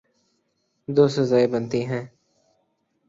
دو سزائیں بنتی ہیں۔